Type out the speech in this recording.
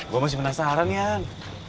gue masih penasaran ya an